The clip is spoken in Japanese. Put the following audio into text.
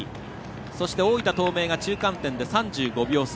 そして、大分東明が中間点で３５秒差。